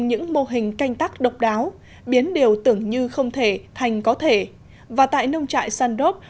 những mô hình canh tắc độc đáo biến điều tưởng như không thể thành có thể và tại nông trại sandrop